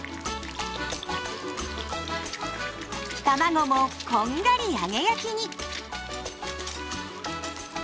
たまごもこんがり揚げ焼きに。